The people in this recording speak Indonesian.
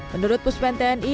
menurut puspen tni